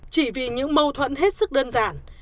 chỉ vì những mâu thuẫn hết sức đơn giản